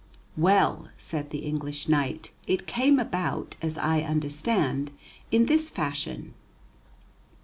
"Well," said the English knight, "it came about, as I understand, in this fashion.